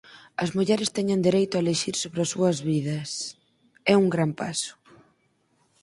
As mulleres teñen dereito a elixir sobre as súas vidas... é un gran paso".